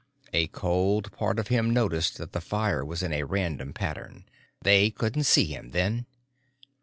A cold part of him noticed that the fire was in a random pattern. They couldn't see him then.